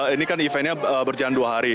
ini kan eventnya berjalan dua hari